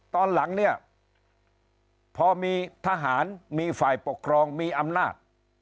ตอนหลังเนี่ยพอมีทหารมีฝ่ายปกครองมีอำนาจ